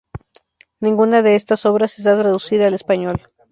Ninguna de estas obras está traducida al español.